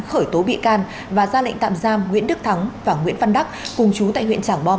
khởi tố bị can và ra lệnh tạm giam nguyễn đức thắng và nguyễn văn đắc cùng chú tại huyện trảng bom